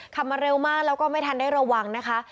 มาเร็วมากแล้วก็ไม่ทันได้ระวังนะคะ